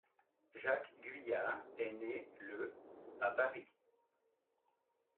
Jacques Guyard est né le à Paris.